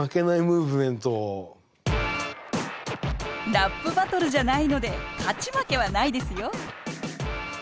ラップバトルじゃないので勝ち負けはないですよ？